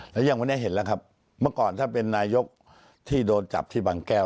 แล้วอย่างวันนี้เห็นแล้วครับเมื่อก่อนถ้าเป็นนายกที่โดนจับที่บางแก้ว